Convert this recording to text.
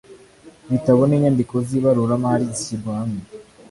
bitabo n inyandiko z ibaruramari zishyirwa hamwe